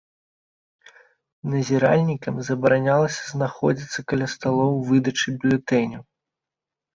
Назіральнікам забаранялася знаходзіцца каля сталоў выдачы бюлетэняў.